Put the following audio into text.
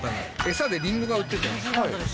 餌でリンゴが売ってた。